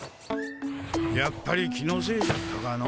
やっぱり気のせいじゃったかの。